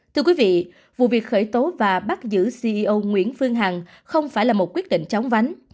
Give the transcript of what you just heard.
thưa quý vị vụ việc khởi tố và bắt giữ ceo nguyễn phương hằng không phải là một quyết định chóng vánh